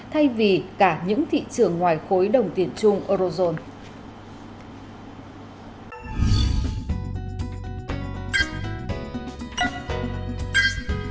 thay vì cả những thị trường ngoài khối đồng tiền chung eurozone